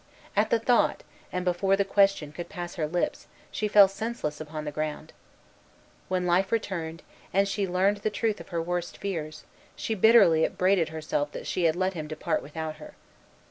At the thought, and before the question could pass her lips, she fell senseless upon the ground. When life returned, and she learned the truth of her worst fears, she bitterly upbraided herself that she had let him depart without her.